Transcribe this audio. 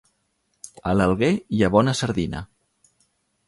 A l'Alguer hi ha bona sardina.